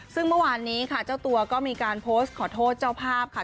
ซึ่งเมื่อวานนี้ค่ะเจ้าตัวก็มีการโพสต์ขอโทษเจ้าภาพค่ะ